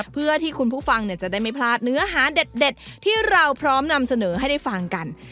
เพื่อที่คุณผู้ฟังจะได้ไม่พลาดเนื้อหาเด็ดที่เราพร้อมนำเสนอให้ได้ฟังกัน